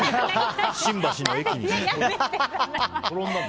新橋の駅に。